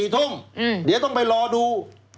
๔ทุ่มเดี๋ยวต้องไปรอดู